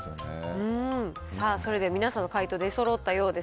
それでは皆さんの解答出そろったようです。